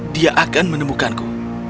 dia akan menemukanku